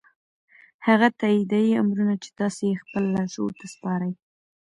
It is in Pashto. هغه تاييدي امرونه چې تاسې يې خپل لاشعور ته سپارئ.